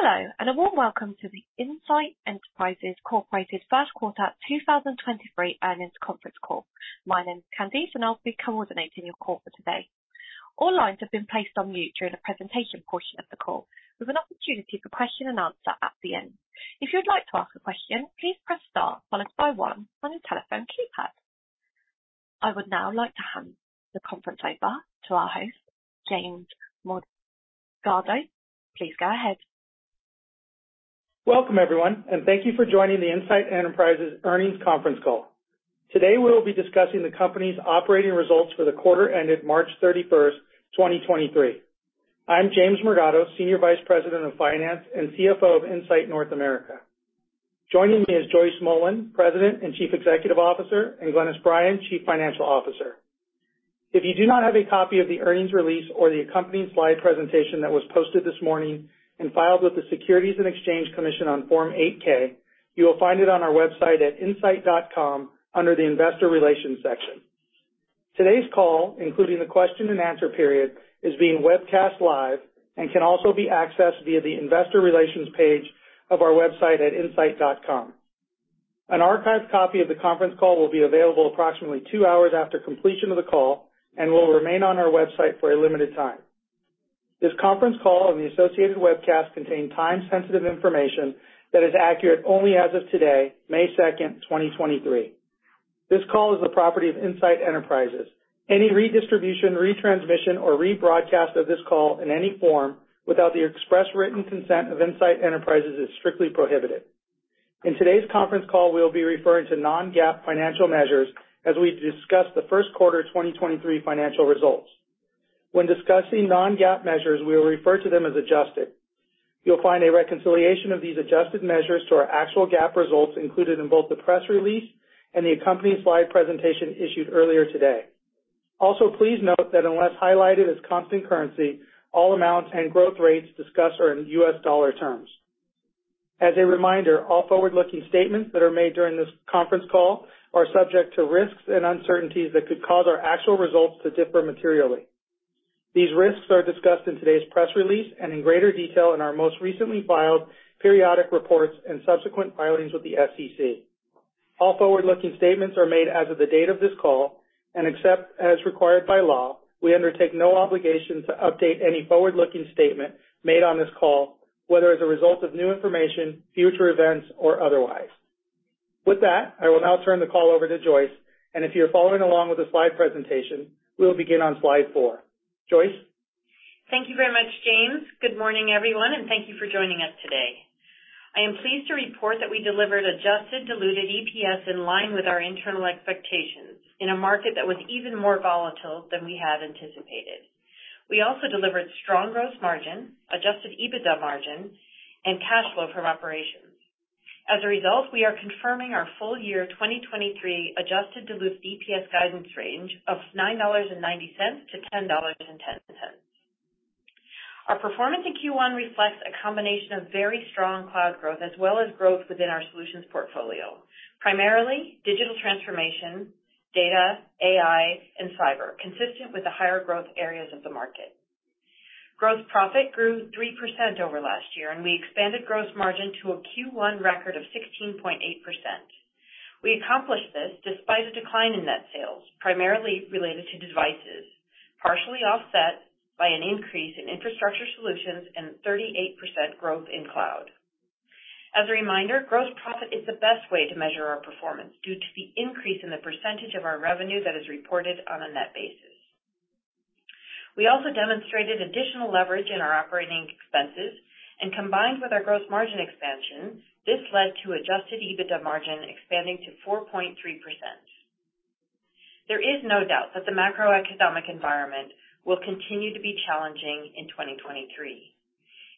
Hello, a warm welcome to the Insight Enterprises, Inc. first quarter 2023 earnings Conference Call. My name is Candice, and I'll be coordinating your call for today. All lines have been placed on mute during the presentation portion of the call with an opportunity for question and answer at the end. If you'd like to ask a question, please Press Star followed by one on your telephone keypad. I would now like to hand the conference over to our host, James Morgado. Please go ahead. Welcome, everyone, and thank you for joining the Insight Enterprises earnings conference call. Today, we will be discussing the company's operating results for the quarter ended 31st March 2023. I'm James Morgado, Senior Vice President of Finance and CFO of Insight North America. Joining me is Joyce Mullen, President and Chief Executive Officer, and Glynis Bryan, Chief Financial Officer. If you do not have a copy of the earnings release or the accompanying slide presentation that was posted this morning and filed with the Securities and Exchange Commission on Form 8-K, you will find it on our website at insight.com under the Investor Relations section. Today's call, including the question and answer period, is being webcast live and can also be accessed via the investor relations page of our website at insight.com. An archived copy of the conference call will be available approximately two hours after completion of the call and will remain on our website for a limited time. This Conference Call and the associated webcast contain time-sensitive information that is accurate only as of today, 2nd May 2023. This call is the property of Insight Enterprises. Any redistribution, retransmission, or rebroadcast of this call in any form without the express written consent of Insight Enterprises is strictly prohibited. In today's Conference Call, we'll be referring to non-GAAP financial measures as we discuss the first quarter of 2023 financial results. When discussing non-GAAP measures, we will refer to them as adjusted. You'll find a reconciliation of these adjusted measures to our actual GAAP results included in both the press release and the accompanying slide presentation issued earlier today. Please note that unless highlighted as constant currency, all amounts and growth rates discussed are in U.S. dollar terms. As a reminder, all forward-looking statements that are made during this conference call are subject to risks and uncertainties that could cause our actual results to differ materially. These risks are discussed in today's press release and in greater detail in our most recently filed periodic reports and subsequent filings with the SEC. All forward-looking statements are made as of the date of this call, and except as required by law, we undertake no obligation to update any forward-looking statement made on this call, whether as a result of new information, future events, or otherwise. With that, I will now turn the call over to Joyce, and if you're following along with the slide presentation, we'll begin on slide four. Joyce. Thank you very much, James. Good morning, everyone, thank you for joining us today. I am pleased to report that we delivered adjusted diluted EPS in line with our internal expectations in a market that was even more volatile than we had anticipated. We also delivered strong gross margin, adjusted EBITDA margin, and cash flow from operations. We are confirming our full year 2023 adjusted diluted EPS guidance range of $9.90-$10.10. Our performance in Q1 reflects a combination of very strong cloud growth as well as growth within our solutions portfolio, primarily digital transformation, data, AI, and cyber, consistent with the higher growth areas of the market. Gross profit grew 3% over last year, we expanded gross margin to a Q1 record of 16.8%. We accomplished this despite a decline in net sales, primarily related to devices, partially offset by an increase in infrastructure solutions and 38% growth in cloud. As a reminder, gross profit is the best way to measure our performance due to the increase in the percentage of our revenue that is reported on a net basis. We also demonstrated additional leverage in our operating expenses, and combined with our gross margin expansion, this led to adjusted EBITDA margin expanding to 4.3%. There is no doubt that the macroeconomic environment will continue to be challenging in 2023.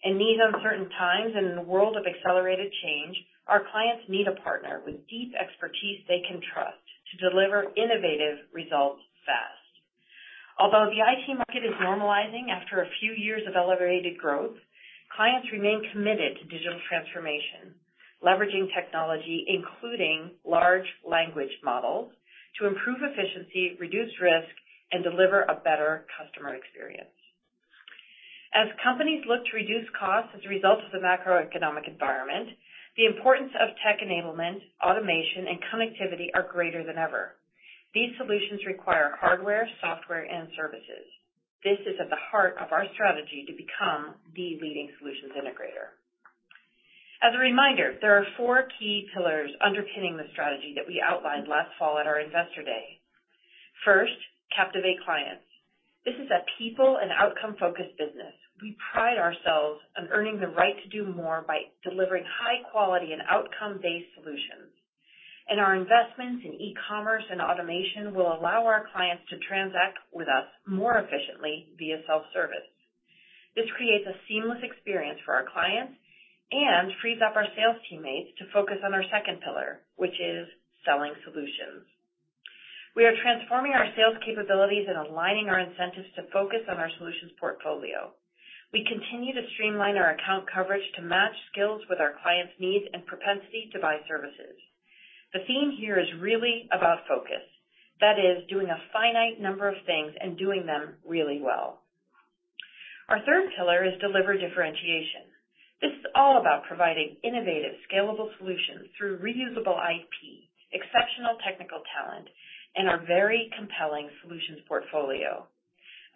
In these uncertain times and in a world of accelerated change, our clients need a partner with deep expertise they can trust to deliver innovative results fast. Although the IT market is normalizing after a few years of elevated growth, clients remain committed to digital transformation, leveraging technology, including large language models, to improve efficiency, reduce risk, and deliver a better customer experience. As companies look to reduce costs as a result of the macroeconomic environment, the importance of tech enablement, automation, and connectivity are greater than ever. These solutions require hardware, software, and services. This is at the heart of our strategy to become the leading solutions integrator. As a reminder, there are four key pillars underpinning the strategy that we outlined last fall at our Investor Day. First, captivate clients. This is a people and outcome-focused business. We pride ourselves on earning the right to do more by delivering high quality and outcome-based solutions. Our investments in e-commerce and automation will allow our clients to transact with us more efficiently via self-service. This creates a seamless experience for our clients and frees up our sales teammates to focus on our second pillar, which is selling solutions. We are transforming our sales capabilities and aligning our incentives to focus on our solutions portfolio. We continue to streamline our account coverage to match skills with our clients' needs and propensity to buy services. The theme here is really about focus. That is doing a finite number of things and doing them really well. Our third pillar is deliver differentiation. This is all about providing innovative, scalable solutions through reusable IP, exceptional technical talent, and our very compelling solutions portfolio.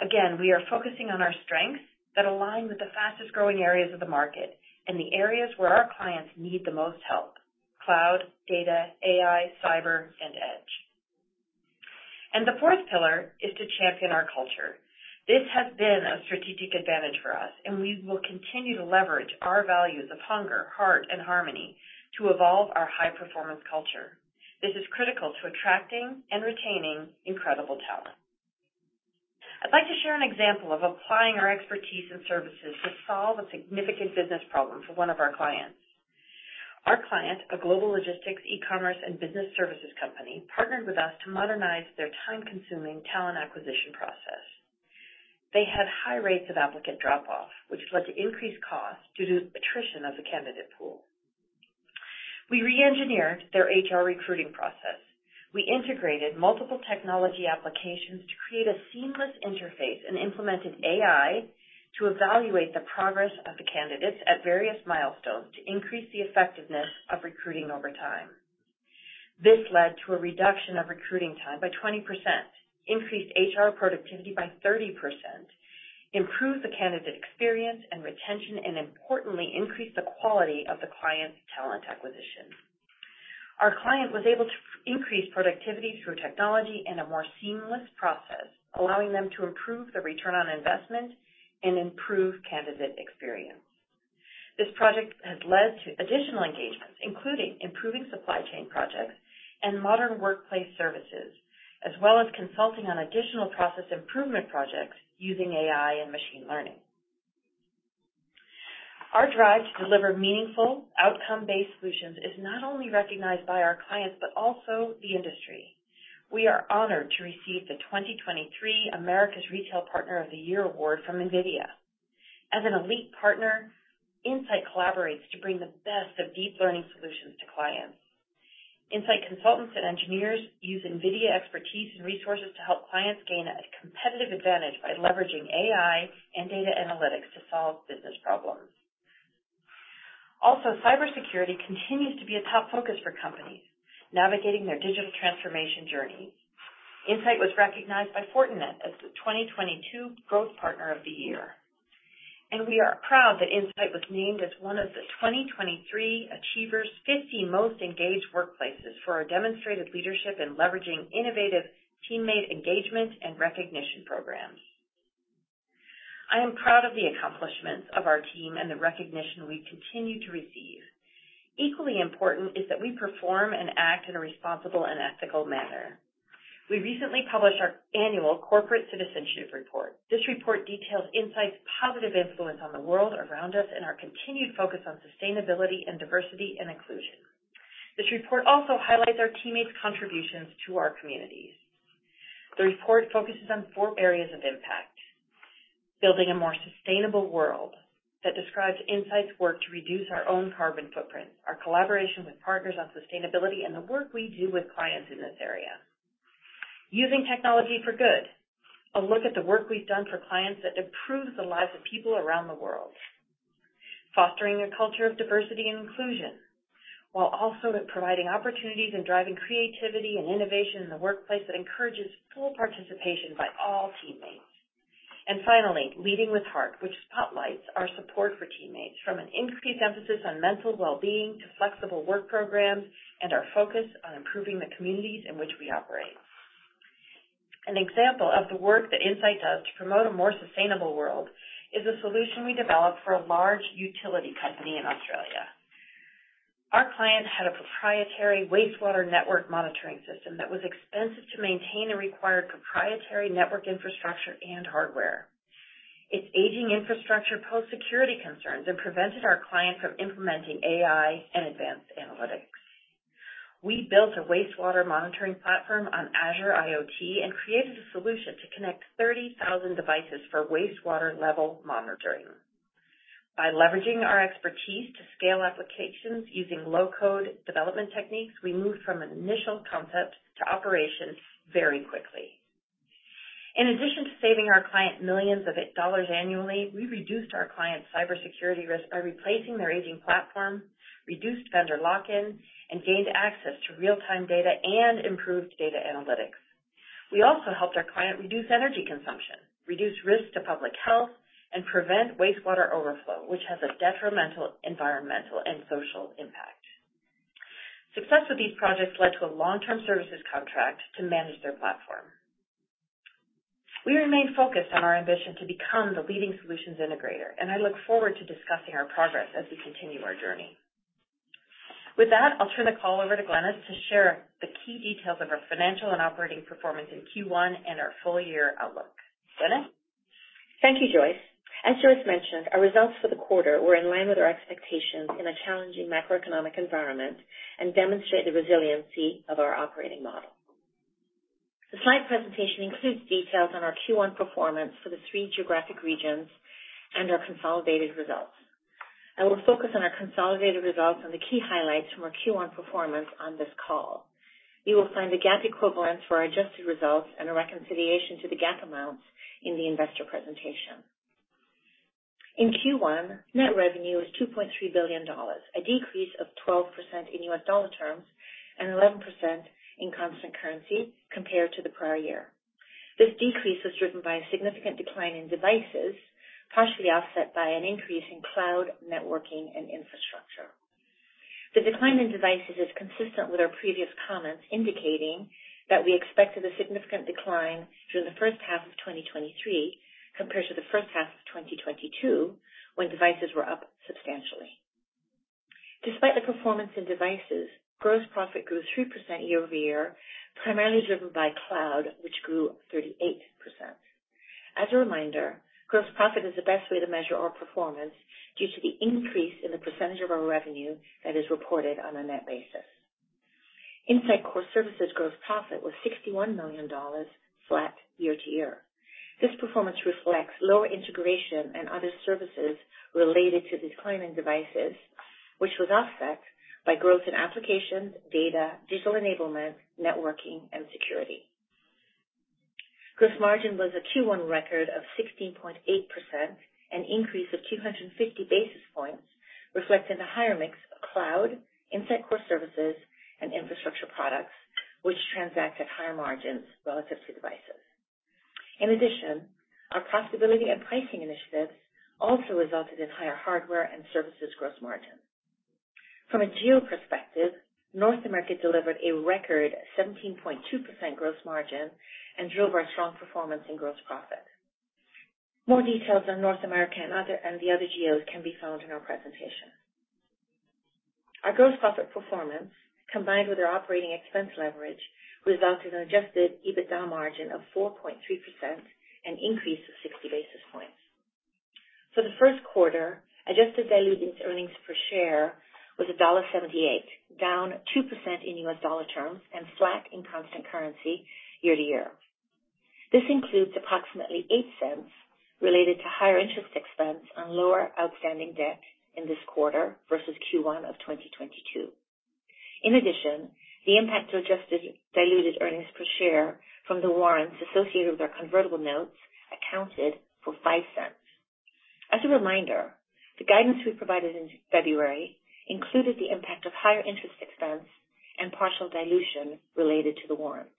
Again, we are focusing on our strengths that align with the fastest-growing areas of the market and the areas where our clients need the most help: cloud, data, AI, cyber, and edge. The fourth pillar is to champion our culture. This has been a strategic advantage for us, and we will continue to leverage our values of hunger, heart, and harmony to evolve our high-performance culture. This is critical to attracting and retaining incredible talent. I'd like to share an example of applying our expertise and services to solve a significant business problem for one of our clients. Our client, a global logistics, e-commerce, and business services company, partnered with us to modernize their time-consuming talent acquisition process. They had high rates of applicant drop-off, which led to increased costs due to attrition of the candidate pool. We re-engineered their HR recruiting process. We integrated multiple technology applications to create a seamless interface and implemented AI to evaluate the progress of the candidates at various milestones to increase the effectiveness of recruiting over time. This led to a reduction of recruiting time by 20%, increased HR productivity by 30%, improved the candidate experience and retention. Importantly, increased the quality of the client's talent acquisition. Our client was able to increase productivity through technology and a more seamless process, allowing them to improve the ROI and improve candidate experience. This project has led to additional engagements, including improving supply chain projects and modern workplace services, as well as consulting on additional process improvement projects using AI and machine learning. Our drive to deliver meaningful outcome-based solutions is not only recognized by our clients, but also the industry. We are honored to receive the 2023 Americas Retail Partner of the Year award from NVIDIA. As an elite partner, Insight collaborates to bring the best of deep learning solutions to clients. Insight consultants and engineers use NVIDIA expertise and resources to help clients gain a competitive advantage by leveraging AI and data analytics to solve business problems. Also, cybersecurity continues to be a top focus for companies navigating their digital transformation journey. Insight was recognized by Fortinet as the 2022 Growth Partner of the Year. We are proud that Insight was named as one of the 2023 Achievers 50 Most Engaged Workplaces for our demonstrated leadership in leveraging innovative teammate engagement and recognition programs. I am proud of the accomplishments of our team and the recognition we continue to receive. Equally important is that we perform and act in a responsible and ethical manner. We recently published our annual corporate citizenship report. This report details Insight's positive influence on the world around us and our continued focus on sustainability and diversity and inclusion. This report also highlights our teammates' contributions to our communities. The report focuses on four areas of impact. Building a more sustainable world that describes Insight's work to reduce our own carbon footprint, our collaboration with partners on sustainability, and the work we do with clients in this area. Using technology for good, a look at the work we've done for clients that improves the lives of people around the world. Fostering a culture of diversity and inclusion, while also providing opportunities and driving creativity and innovation in the workplace that encourages full participation by all teammates. Finally, leading with heart, which spotlights our support for teammates from an increased emphasis on mental well-being to flexible work programs and our focus on improving the communities in which we operate. An example of the work that Insight does to promote a more sustainable world is a solution we developed for a large utility company in Australia. Our client had a proprietary wastewater network monitoring system that was expensive to maintain and required proprietary network infrastructure and hardware. Its aging infrastructure posed security concerns and prevented our client from implementing AI and advanced analytics. We built a wastewater monitoring platform on Azure IoT and created a solution to connect 30,000 devices for wastewater level monitoring. By leveraging our expertise to scale applications using low-code development techniques, we moved from an initial concept to operation very quickly. In addition to saving our client millions of dollars annually, we reduced our client's cybersecurity risk by replacing their aging platform, reduced vendor lock-in, and gained access to real-time data and improved data analytics. We also helped our client reduce energy consumption, reduce risk to public health, and prevent wastewater overflow, which has a detrimental environmental and social impact. Success with these projects led to a long-term services contract to manage their platform. We remain focused on our ambition to become the leading solutions integrator. I look forward to discussing our progress as we continue our journey. With that, I'll turn the call over to Glynis to share the key details of our financial and operating performance in Q1 and our full-year outlook. Glynis? Thank you, Joyce. As Joyce mentioned, our results for the quarter were in line with our expectations in a challenging macroeconomic environment and demonstrate the resiliency of our operating model. The slide presentation includes details on our Q1 performance for the three geographic regions and our consolidated results. I will focus on our consolidated results and the key highlights from our Q1 performance on this call. You will find the GAAP equivalents for our adjusted results and a reconciliation to the GAAP amounts in the investor presentation. In Q1, net revenue was $2.3 billion, a decrease of 12% in U.S. dollar terms and 11% in constant currency compared to the prior year. This decrease was driven by a significant decline in devices, partially offset by an increase in cloud, networking, and infrastructure. The decline in devices is consistent with our previous comments, indicating that we expected a significant decline through the first half of 2023 compared to the first half of 2022, when devices were up substantially. Despite the performance in devices, gross profit grew 3% year-over-year, primarily driven by cloud, which grew 38%. As a reminder, gross profit is the best way to measure our performance due to the increase in the percentage of our revenue that is reported on a net basis. Insight core services gross profit was $61 million, flat year to year. This performance reflects lower integration and other services related to decline in devices, which was offset by growth in applications, data, digital enablement, networking, and security. Gross margin was a Q1 record of 16.8%, an increase of 250 basis points, reflecting the higher mix of cloud, Insight core services and infrastructure products, which transact at higher margins relative to devices. In addition, our profitability and pricing initiatives also resulted in higher hardware and services gross margin. From a geo perspective, North America delivered a record 17.2% gross margin and drove our strong performance in gross profit. More details on North America and the other geos can be found in our presentation. Our gross profit performance, combined with our operating expense leverage, resulted in adjusted EBITDA margin of 4.3%, an increase of 60 basis points. For the first quarter, adjusted diluted earnings per share was $1.78, down 2% in U.S. dollar terms and flat in constant currency year-to-year. This includes approximately $0.08 related to higher interest expense and lower outstanding debt in this quarter versus Q1 of 2022. The impact to adjusted diluted earnings per share from the warrants associated with our convertible notes accounted for $0.05. As a reminder, the guidance we provided in February included the impact of higher interest expense and partial dilution related to the warrants.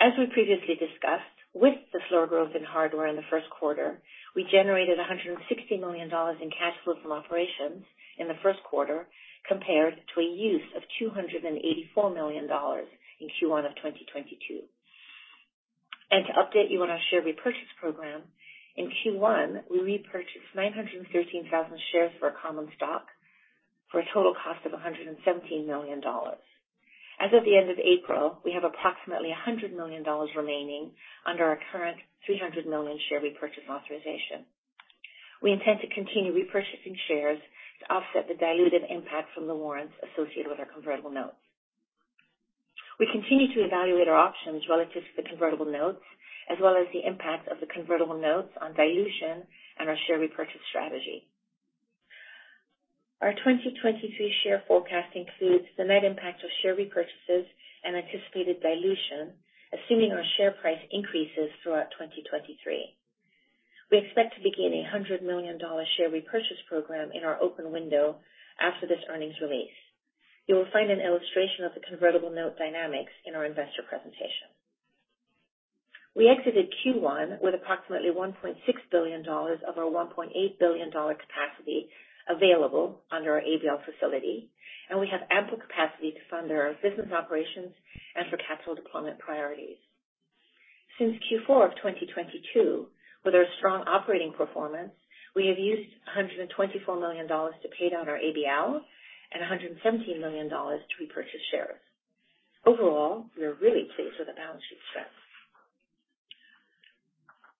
As we previously discussed, with the slower growth in hardware in the first quarter, we generated $160 million in cash flow from operations in the first quarter, compared to a use of $284 million in Q1 of 2022. To update you on our share repurchase program, in Q1, we repurchased 913,000 shares for our common stock for a total cost of $117 million. As of the end of April, we have approximately $100 million remaining under our current $300 million share repurchase authorization. We intend to continue repurchasing shares to offset the diluted impact from the warrants associated with our convertible notes. We continue to evaluate our options relative to the convertible notes, as well as the impact of the convertible notes on dilution and our share repurchase strategy. Our 2023 share forecast includes the net impact of share repurchases and anticipated dilution, assuming our share price increases throughout 2023. We expect to begin a $100 million share repurchase program in our open window after this earnings release. You will find an illustration of the convertible note dynamics in our investor presentation. We exited Q1 with approximately $1.6 billion of our $1.8 billion capacity available under our ABL facility. We have ample capacity to fund our business operations and for capital deployment priorities. Since Q4 of 2022, with our strong operating performance, we have used $124 million to pay down our ABL and $117 million to repurchase shares. Overall, we are really pleased with the balance sheet strength.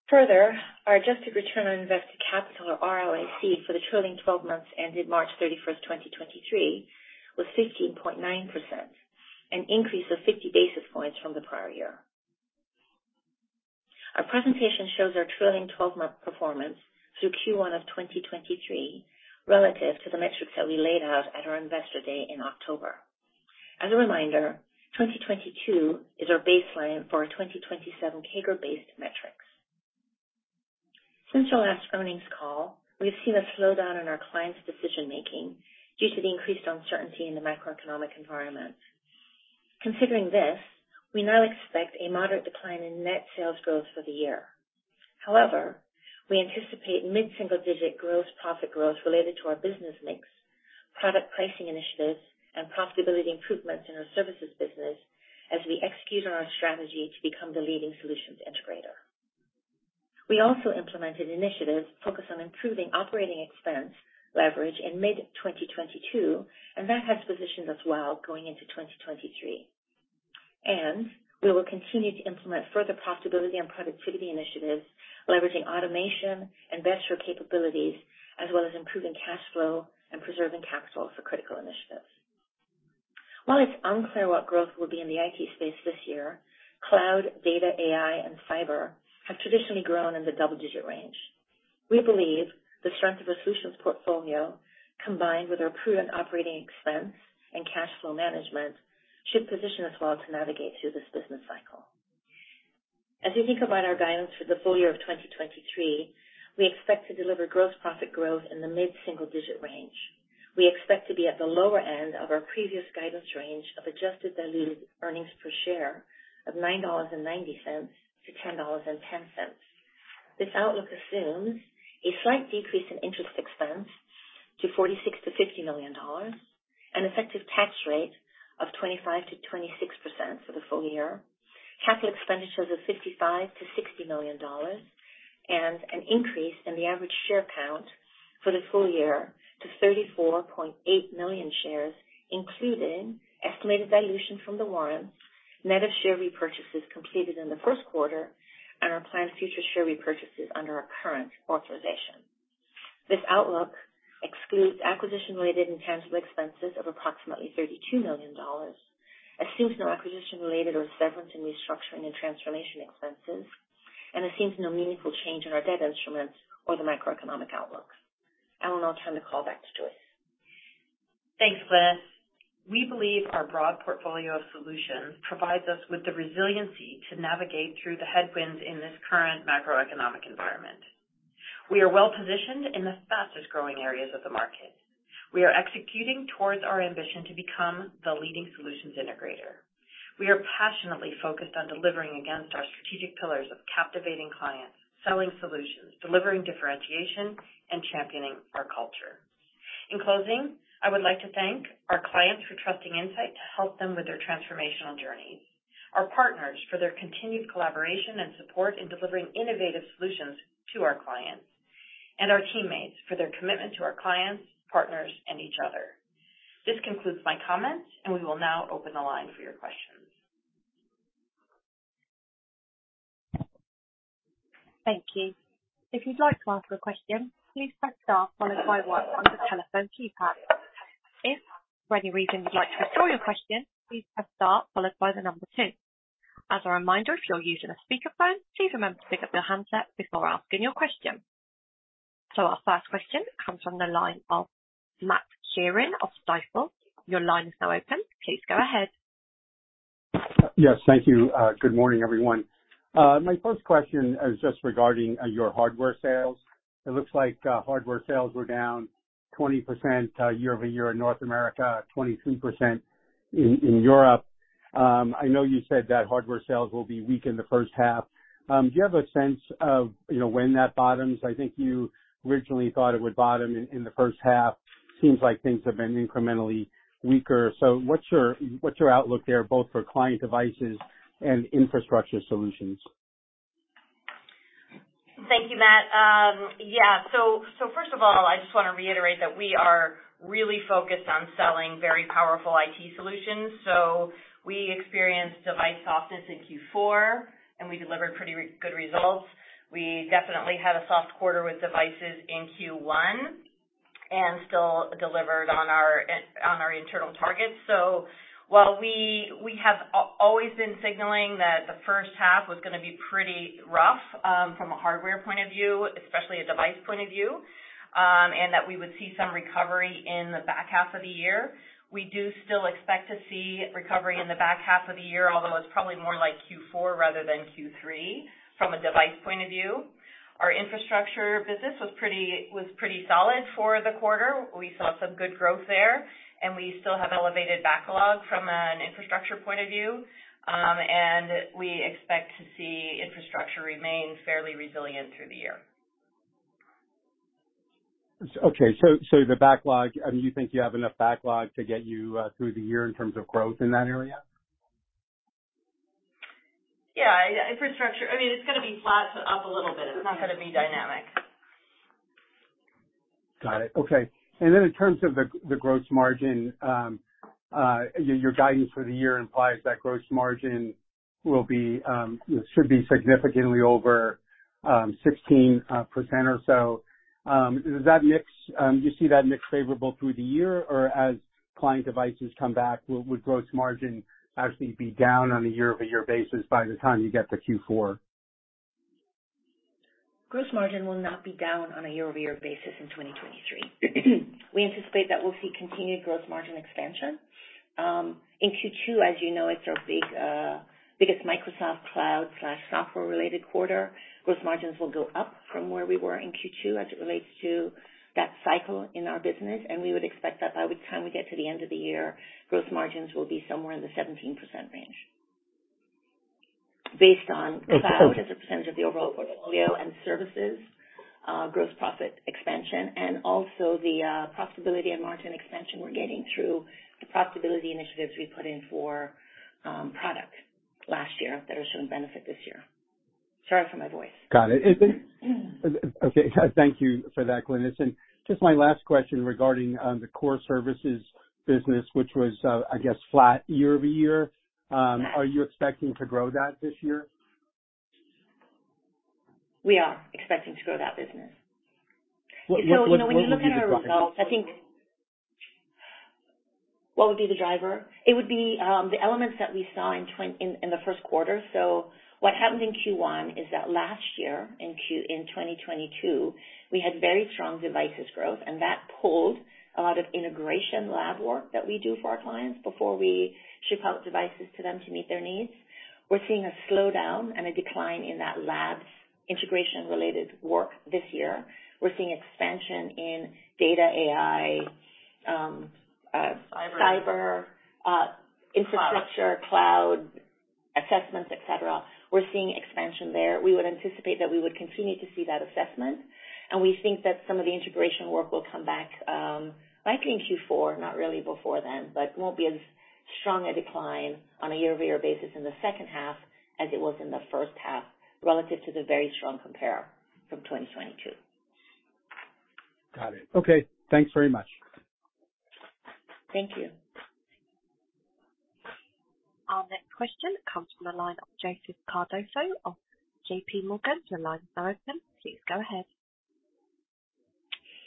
Further, our adjusted return on invested capital, or ROC, for the trailing 12 months ended March 31st, 2023, was 15.9%, an increase of 50 basis points from the prior year. Our presentation shows our trailing 12-month performance through Q1 of 2023 relative to the metrics that we laid out at our Investor Day in October. As a reminder, 2022 is our baseline for our 2027 CAGR-based metrics. Since your last earnings call, we have seen a slowdown in our clients' decision-making due to the increased uncertainty in the macroeconomic environment. Considering this, we now expect a moderate decline in net sales growth for the year. We anticipate mid-single-digit gross profit growth related to our business mix, product pricing initiatives, and profitability improvements in our services business as we execute on our strategy to become the leading solutions integrator. We also implemented initiatives focused on improving OpEx leverage in mid-2022, and that has positioned us well going into 2023. We will continue to implement further profitability and productivity initiatives, leveraging automation and BestShore capabilities, as well as improving cash flow and preserving capital for critical initiatives. While it's unclear what growth will be in the IT space this year, cloud, data, AI, and cyber have traditionally grown in the double-digit range. We believe the strength of the solutions portfolio, combined with our prudent operating expense and cash flow management, should position us well to navigate through this business cycle. As you think about our guidance for the full year of 2023, we expect to deliver gross profit growth in the mid-single digit range. We expect to be at the lower end of our previous guidance range of adjusted diluted earnings per share of $9.90-$10.10. This outlook assumes a slight decrease in interest expense to $46 million-$50 million, an effective tax rate of 25%-26% for the full year, capital expenditures of $55 million-$60 million, and an increase in the average share count for the full year to 34.8 million shares, including estimated dilution from the warrants, net of share repurchases completed in the first quarter, and our planned future share repurchases under our current authorization. This outlook excludes acquisition-related intangible expenses of approximately $32 million, assumes no acquisition-related or severance and restructuring and transformation expenses, and assumes no meaningful change in our debt instruments or the macroeconomic outlooks. I will now turn the call back to Joyce. Thanks, Glynis. We believe our broad portfolio of solutions provides us with the resiliency to navigate through the headwinds in this current macroeconomic environment. We are well positioned in the fastest-growing areas of the market. We are executing towards our ambition to become the leading solutions integrator. We are passionately focused on delivering against our strategic pillars of captivating clients, selling solutions, delivering differentiation, and championing our culture. In closing, I would like to thank our clients for trusting Insight to help them with their transformational journeys, our partners for their continued collaboration and support in delivering innovative solutions to our clients, and our teammates for their commitment to our clients, partners, and each other. This concludes my comments. We will now open the line for your questions. Thank you. If you'd like to ask a question, please press star followed by one on your telephone keypad. If for any reason you'd like to withdraw your question, please press star followed by the number two. As a reminder, if you're using a speakerphone, please remember to pick up your handset before asking your question. Our first question comes from the line of Matthew Sheerin of Stifel. Your line is now open. Please go ahead. Yes, thank you. Good morning, everyone. My first question is just regarding your hardware sales. It looks like hardware sales were down 20% year-over-year in North America, 23% in Europe. I know you said that hardware sales will be weak in the first half. Do you have a sense of, you know, when that bottoms? I think you originally thought it would bottom in the first half. Seems like things have been incrementally weaker. What's your outlook there both for client devices and infrastructure solutions? Thank you, Matt. First of all, I just wanna reiterate that we are really focused on selling very powerful IT solutions. We experienced device softness in Q4, and we delivered pretty good results. We definitely had a soft quarter with devices in Q1 and still delivered on our internal targets. While we have always been signaling that the first half was gonna be pretty rough, from a hardware point of view, especially a device point of view, and that we would see some recovery in the back half of the year, we do still expect to see recovery in the back half of the year, although it's probably more like Q4 rather than Q3 from a device point of view. Our infrastructure business was pretty solid for the quarter. We saw some good growth there, and we still have elevated backlog from an infrastructure point of view. We expect to see infrastructure remain fairly resilient through the year. Okay. The backlog, I mean, you think you have enough backlog to get you through the year in terms of growth in that area? Yeah. Infrastructure, I mean, it's gonna be flat to up a little bit. It's not gonna be dynamic. Got it. Okay. In terms of the gross margin, your guidance for the year implies that gross margin should be significantly over 16% or so. Do you see that mix favorable through the year? Or as client devices come back, will gross margin actually be down on a year-over-year basis by the time you get to Q4? Gross margin will not be down on a year-over-year basis in 2023. We anticipate that we'll see continued gross margin expansion. In Q2, as you know, it's our biggest Microsoft cloud/software-related quarter. Gross margins will go up from where we were in Q2 as it relates to that cycle in our business, and we would expect that by the time we get to the end of the year, gross margins will be somewhere in the 17% range based on- Okay. cloud as a percentage of the overall portfolio and services, gross profit expansion, and also the profitability and margin expansion we're getting through the profitability initiatives we put in for product last year that are showing benefit this year. Sorry for my voice. Got it. Okay. Thank you for that, Glynis. Just my last question regarding the Insight core services business, which was I guess flat year-over-year. Are you expecting to grow that this year? We are expecting to grow that business. What would be the driver? You know, when you look at our results, I think. What would be the driver? It would be the elements that we saw in the first quarter. What happened in Q1 is that last year in 2022, we had very strong devices growth, and that pulled a lot of integration lab work that we do for our clients before we ship out devices to them to meet their needs. We're seeing a slowdown and a decline in that lab integration-related work this year. We're seeing expansion in data AI. Cyber cyber, infrastructure- Cloud. Cloud, assessments, et cetera. We're seeing expansion there. We would anticipate that we would continue to see that assessment, and we think that some of the integration work will come back, likely in Q4, not really before then. Won't be as strong a decline on a year-over-year basis in the second half as it was in the first half relative to the very strong compare from 2022. Got it. Okay, thanks very much. Thank you. Our next question comes from the line of Joseph Cardoso of JP Morgan. Your line is now open. Please go ahead.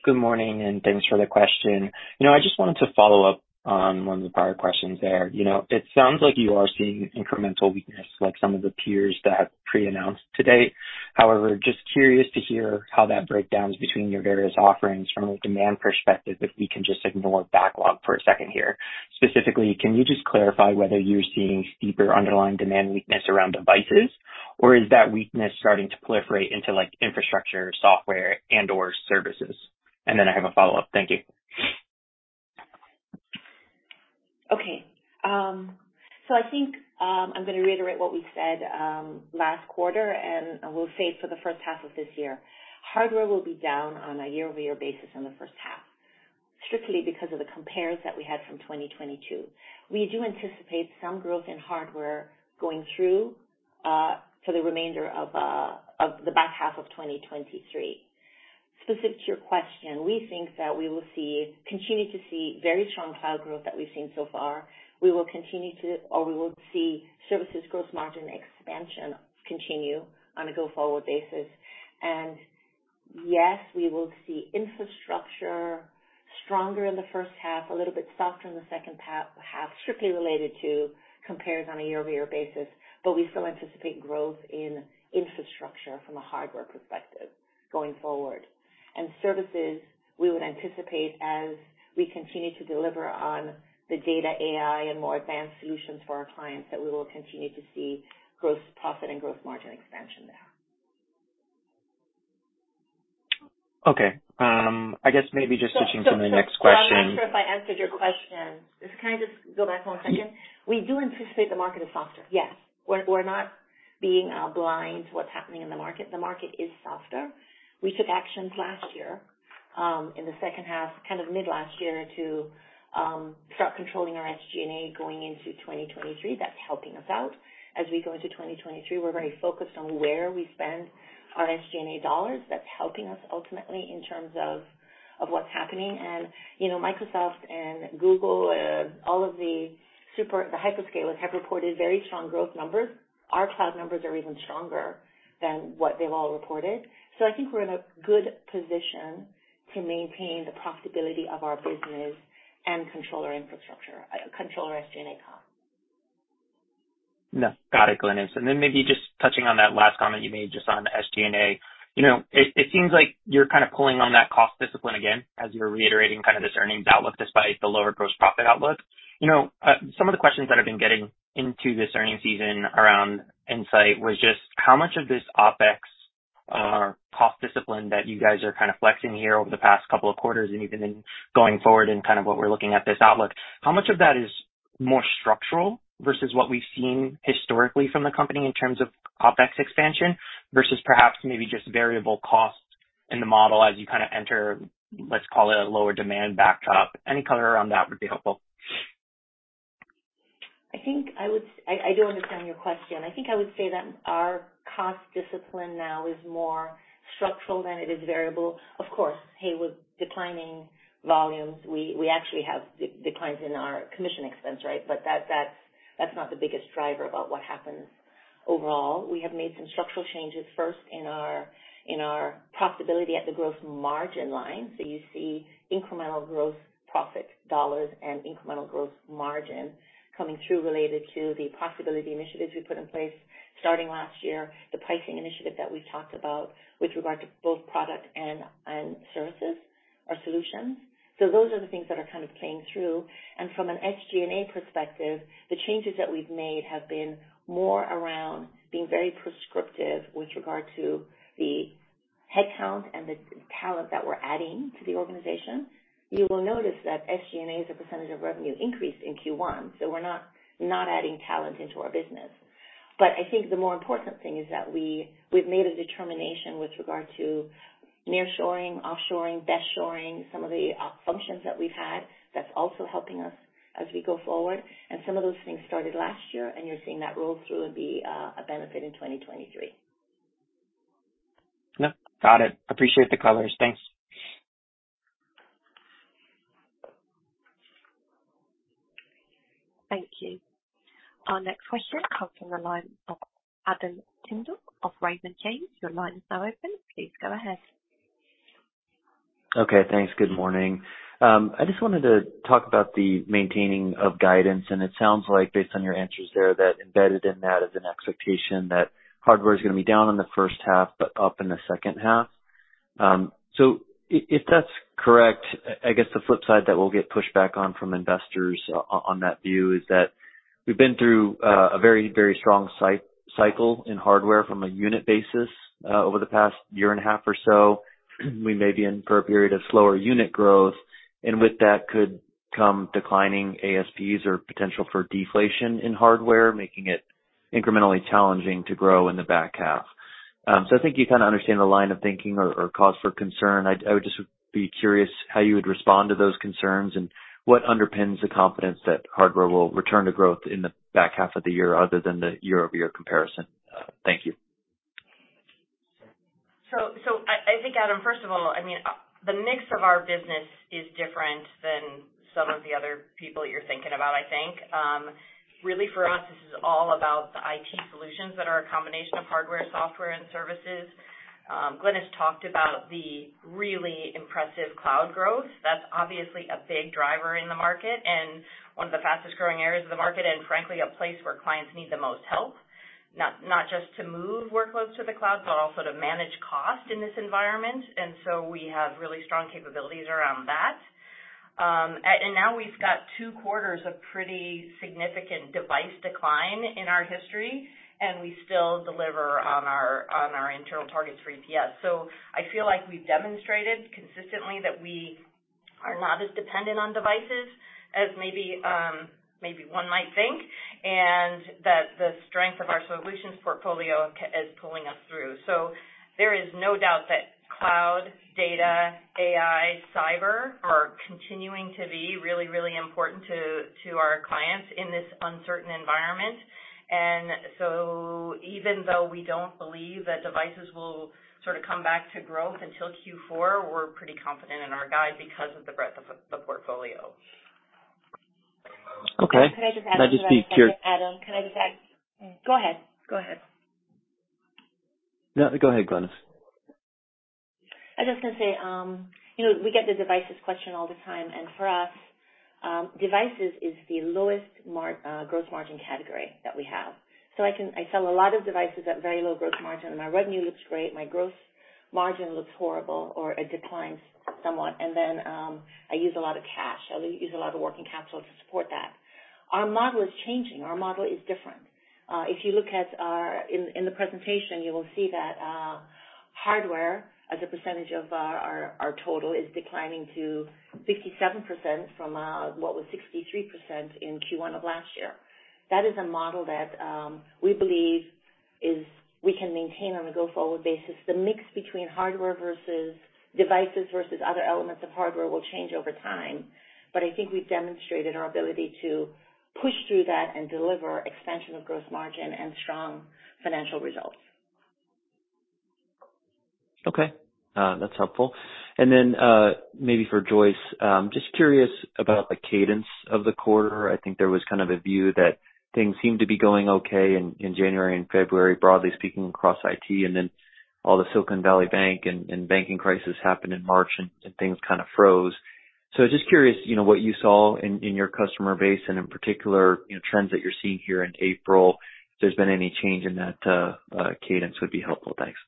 Good morning. Thanks for the question. You know, I just wanted to follow up on one of the prior questions there. You know, it sounds like you are seeing incremental weakness like some of the peers that have pre-announced to date. However, just curious to hear how that breakdowns between your various offerings from a demand perspective, if we can just ignore backlog for a second here. Specifically, can you just clarify whether you're seeing steeper underlying demand weakness around devices, or is that weakness starting to proliferate into, like, infrastructure, software and/or services? Then I have a follow-up. Thank you. Okay. I think, I'm gonna reiterate what we said, last quarter. I will say for the first half of this year, hardware will be down on a year-over-year basis in the first half, strictly because of the compares that we had from 2022. We do anticipate some growth in hardware going through, for the remainder of the back half of 2023. Specific to your question, we think that we will continue to see very strong cloud growth that we've seen so far. We will see services growth margin expansion continue on a go-forward basis. Yes, we will see infrastructure stronger in the first half, a little bit softer in the second half, strictly related to compares on a year-over-year basis, but we still anticipate growth in infrastructure from a hardware perspective going forward. Services, we would anticipate as we continue to deliver on the data AI and more advanced solutions for our clients, that we will continue to see gross profit and gross margin expansion there. Okay. I guess maybe just touching on the next question. I'm not sure if I answered your question. Can I just go back one second? Yeah. We do anticipate the market is softer. Yes. We're not being blind to what's happening in the market. The market is softer. We took actions last year in the second half, kind of mid last year to start controlling our SG&A going into 2023. That's helping us out. As we go into 2023, we're very focused on where we spend our SG&A dollars. That's helping us ultimately in terms of what's happening. You know, Microsoft and Google, all of the hyperscalers have reported very strong growth numbers. Our cloud numbers are even stronger than what they've all reported. I think we're in a good position to maintain the profitability of our business and control our infrastructure, control our SG&A costs. No, got it, Glynis. Then maybe just touching on that last comment you made just on SG&A. You know, it seems like you're kind of pulling on that cost discipline again as you're reiterating kind of this earnings outlook despite the lower gross profit outlook. You know, some of the questions that I've been getting into this earnings season around Insight was just how much of this OpEx cost discipline that you guys are kind of flexing here over the past couple of quarters and even in going forward and kind of what we're looking at this outlook, how much of that is more structural versus what we've seen historically from the company in terms of OpEx expansion versus perhaps maybe just variable costs in the model as you kind of enter, let's call it a lower demand backdrop? Any color around that would be helpful. I think I do understand your question. I think I would say that our cost discipline now is more structural than it is variable. Of course, hey, with declining volumes, we actually have declines in our commission expense, right? That's not the biggest driver about what happens overall. We have made some structural changes, first in our profitability at the gross margin line. You see incremental gross profit dollars and incremental gross margin coming through related to the profitability initiatives we put in place starting last year, the pricing initiative that we've talked about with regard to both product and services or solutions. Those are the things that are kind of playing through. From an SG&A perspective, the changes that we've made have been more around being very prescriptive with regard to the headcount and the talent that we're adding to the organization. You will notice that SG&A as a percentage of revenue increased in Q1, so we're not adding talent into our business. I think the more important thing is that we've made a determination with regard to nearshoring, offshoring, BestShore, some of the functions that we've had, that's also helping us as we go forward. Some of those things started last year, and you're seeing that roll through and be a benefit in 2023. No, got it. Appreciate the colors. Thanks. Our next question comes from the line of Adam Tindle of Raymond James. Your line is now open. Please go ahead. Okay, thanks. Good morning. I just wanted to talk about the maintaining of guidance. It sounds like based on your answers there, that embedded in that is an expectation that hardware is gonna be down in the first half but up in the second half. If that's correct, I guess the flip side that we'll get pushed back on from investors on that view is that we've been through a very, very strong cycle in hardware from a unit basis over the past year and a half or so. We may be in for a period of slower unit growth. With that could come declining ASPs or potential for deflation in hardware, making it incrementally challenging to grow in the back half. I think you kind of understand the line of thinking or cause for concern. I would just be curious how you would respond to those concerns and what underpins the confidence that hardware will return to growth in the back half of the year other than the year-over-year comparison. Thank you. I think, Adam, first of all, I mean, the mix of our business is different than some of the other people you're thinking about, I think. Really for us, this is all about the IT solutions that are a combination of hardware, software, and services. Glenn has talked about the really impressive cloud growth. That's obviously a big driver in the market and one of the fastest-growing areas of the market and frankly, a place where clients need the most help, not just to move workloads to the cloud, but also to manage cost in this environment. We have really strong capabilities around that. And now we've got two quarters of pretty significant device decline in our history, and we still deliver on our internal targets for EPS. I feel like we've demonstrated consistently that we are not as dependent on devices as maybe one might think, and that the strength of our solutions portfolio is pulling us through. There is no doubt that cloud, data, AI, cyber are continuing to be really, really important to our clients in this uncertain environment. Even though we don't believe that devices will sort of come back to growth until Q4, we're pretty confident in our guide because of the breadth of the portfolio. Okay. Can I just add to that, Adam? Go ahead. No, go ahead, Glynis. I was just gonna say, you know, for us, devices is the lowest growth margin category that we have. I sell a lot of devices at very low growth margin. My revenue looks great, my growth margin looks horrible or it declines somewhat. I use a lot of cash. I'll use a lot of working capital to support that. Our model is changing. Our model is different. If you look in the presentation, you will see that hardware as a percentage of our, our total is declining to 67% from what was 63% in Q1 of last year. That is a model that we believe we can maintain on a go-forward basis. The mix between hardware versus devices versus other elements of hardware will change over time. I think we've demonstrated our ability to push through that and deliver expansion of growth margin and strong financial results. Okay. That's helpful. Then, maybe for Joyce, just curious about the cadence of the quarter. I think there was kind of a view that things seemed to be going okay in January and February, broadly speaking, across IT, and then all the Silicon Valley Bank and banking crisis happened in March, and things kind of froze. Just curious, you know, what you saw in your customer base, and in particular, you know, trends that you're seeing here in April, if there's been any change in that cadence would be helpful. Thanks.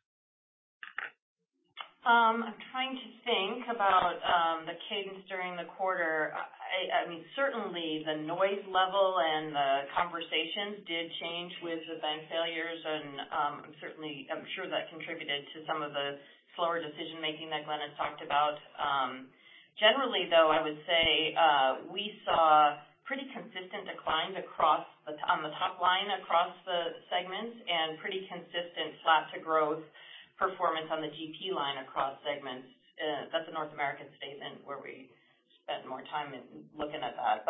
I'm trying to think about the cadence during the quarter. I mean, certainly the noise level and the conversations did change with the bank failures and certainly I'm sure that contributed to some of the slower decision-making that Glenn has talked about. Generally though, I would say, we saw pretty consistent declines on the top line across the segments and pretty consistent flat to growth performance on the GP line across segments. That's a North American statement where we spent more time in looking at that.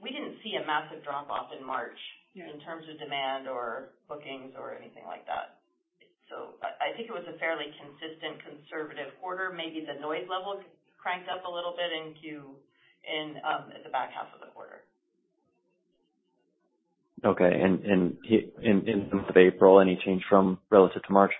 We didn't see a massive drop-off in March. Yeah. In terms of demand or bookings or anything like that. I think it was a fairly consistent conservative quarter. Maybe the noise level cranked up a little bit in the back half of the quarter. Okay. In terms of April, any change from relative to March?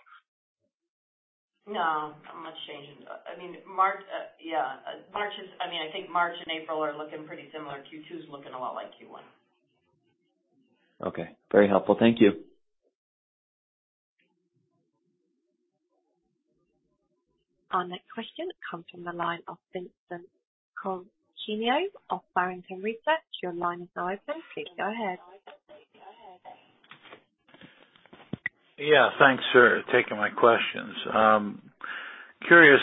No, not much change. I mean, March, yeah. I mean, I think March and April are looking pretty similar. Q2 is looking a lot like Q1. Okay. Very helpful. Thank you. Our next question comes from the line of Vincent Colicchio of Barrington Research. Your line is now open. Please go ahead. Yeah, thanks for taking my questions. Curious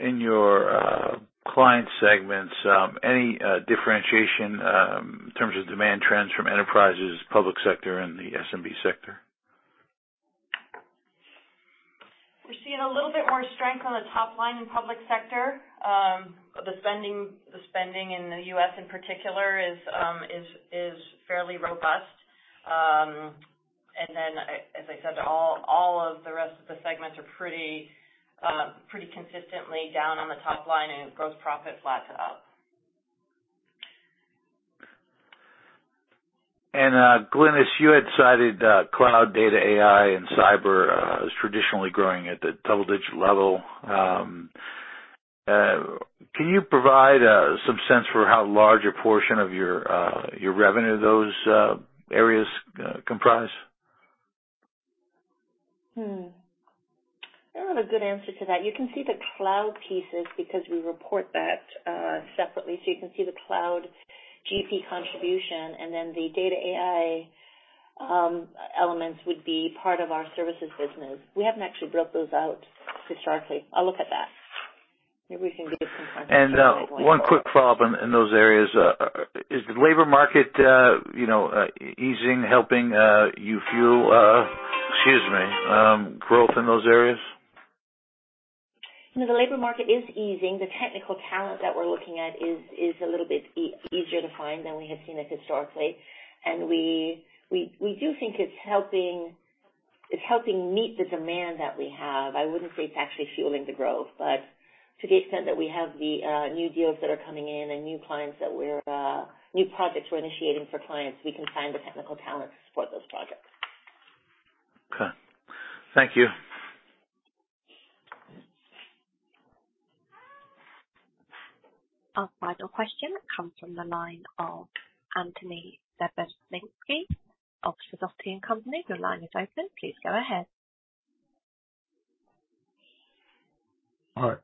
in your client segments, any differentiation in terms of demand trends from enterprises, public sector and the SMB sector? We're seeing a little bit more strength on the top line in public sector. The spending in the U.S. in particular is fairly robust. As I said, all of the rest of the segments are pretty consistently down on the top line and gross profit flat to up. Glynis, you had cited cloud data, AI, and cyber as traditionally growing at the double-digit level. Can you provide some sense for how large a portion of your revenue those areas comprise? I don't have a good answer to that. You can see the cloud pieces because we report that separately. You can see the cloud GP contribution, and then the data AI elements would be part of our services business. We haven't actually broke those out historically. I'll look at that. Maybe we can give a confirmation. One quick follow-up in those areas. Is the labor market, you know, easing, helping, you fuel, excuse me, growth in those areas? You know, the labor market is easing. The technical talent that we're looking at is a little bit easier to find than we have seen it historically. We do think it's helping meet the demand that we have. I wouldn't say it's actually fueling the growth, but to the extent that we have the new deals that are coming in and new clients that we're new projects we're initiating for clients, we can find the technical talent to support those projects. Okay. Thank you. Our final question comes from the line of Anthony Lebiedzinski of Sidoti & Company. Your line is open. Please go ahead. All right.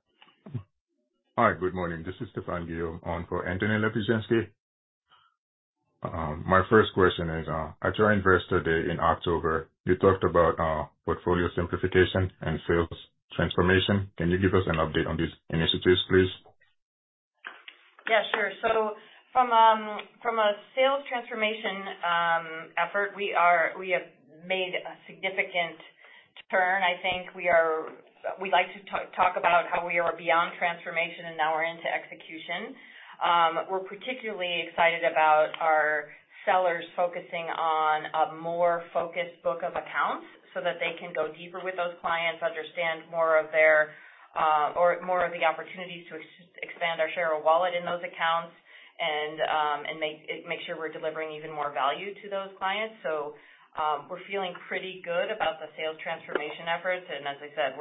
Hi. Good morning. This is Stephan Guillaume on for Anthony Lebiedzinskii. My first question is, at your Investor Day in October, you talked about portfolio simplification and sales transformation. Can you give us an update on these initiatives, please? Yeah, sure. From, from a sales transformation, effort, we have made a significant turn. I think we like to talk about how we are beyond transformation and now we're into execution. We're particularly excited about our sellers focusing on a more focused book of accounts so that they can go deeper with those clients, understand more of their, or more of the opportunities to expand our share of wallet in those accounts and make sure we're delivering even more value to those clients. We're feeling pretty good about the sales transformation efforts. As I said,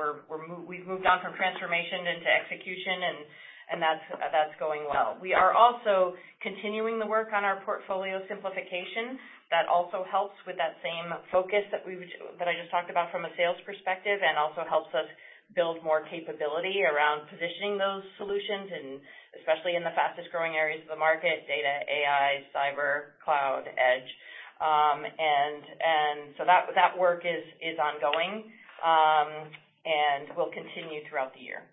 we've moved on from transformation into execution, and that's going well. We are also continuing the work on our portfolio simplification. That also helps with that same focus that I just talked about from a sales perspective, and also helps us build more capability around positioning those solutions and especially in the fastest-growing areas of the market: data, AI, cyber, cloud, edge. That work is ongoing and will continue throughout the year.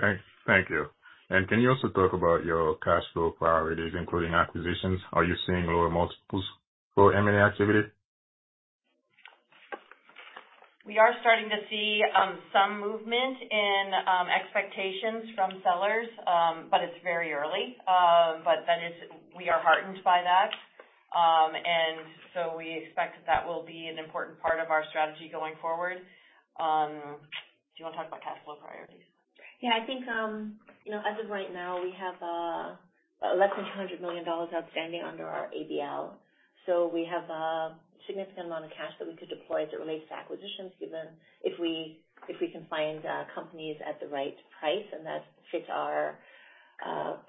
Thanks. Thank you. Can you also talk about your cash flow priorities, including acquisitions? Are you seeing lower multiples for M&A activity? We are starting to see some movement in expectations from sellers, but it's very early. That is, we are heartened by that. We expect that will be an important part of our strategy going forward. Do you wanna talk about cash flow priorities? I think, you know, as of right now, we have less than $200 million outstanding under our ABL. We have a significant amount of cash that we could deploy as it relates to acquisitions, given if we, if we can find companies at the right price, and that fits our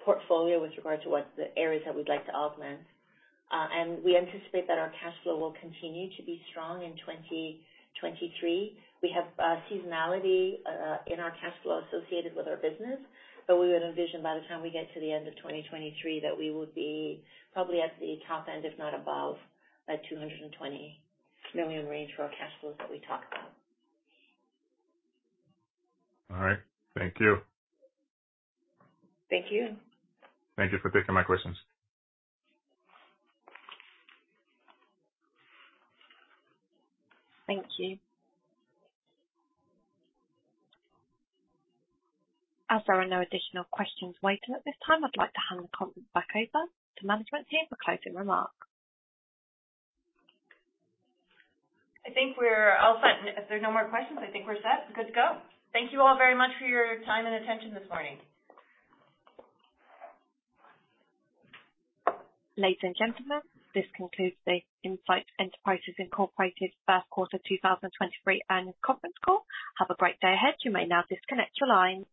portfolio with regard to what the areas that we'd like to augment. We anticipate that our cash flow will continue to be strong in 2023. We have seasonality in our cash flow associated with our business, but we would envision by the time we get to the end of 2023, that we would be probably at the top end, if not above, that $220 million range for our cash flows that we talked about. All right. Thank you. Thank you. Thank you for taking my questions. Thank you. As there are no additional questions waiting at this time, I'd like to hand the conference back over to management team for closing remarks. I think we're all set. If there are no more questions, I think we're set. We're good to go. Thank you all very much for your time and attention this morning. Ladies and gentlemen, this concludes the Insight Enterprises, Inc. first quarter 2023 annual conference call. Have a great day ahead. You may now disconnect your lines.